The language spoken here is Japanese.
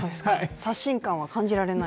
刷新感は感じられない？